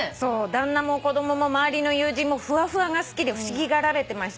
「旦那も子供も周りの友人もフワフワが好きで不思議がられてました」